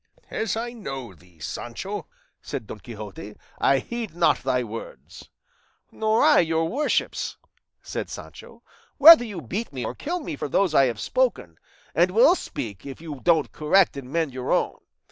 "As I know thee, Sancho," said Don Quixote, "I heed not thy words." "Nor I your worship's," said Sancho, "whether you beat me or kill me for those I have spoken, and will speak if you don't correct and mend your own.